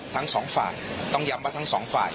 ทั้งสองฝ่ายต้องย้ำว่าทั้งสองฝ่าย